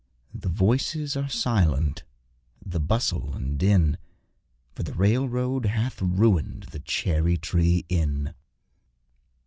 The voices are silent, the bustle and din, For the railroad hath ruined the Cherry tree Inn.